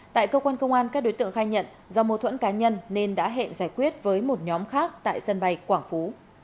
tại cơ quan công an các đối tượng khai nhận do mâu thuẫn cá nhân nên đã hẹn giải quyết với một nhóm khác tại sân bay quảng phú